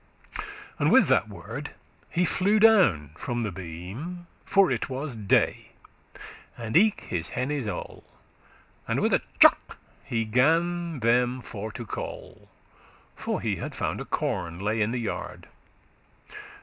And with that word he flew down from the beam, For it was day, and eke his hennes all; And with a chuck he gan them for to call, For he had found a corn, lay in the yard.